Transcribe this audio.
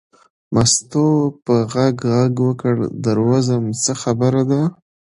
مستو په غږ غږ وکړ در وځم څه خبره ده.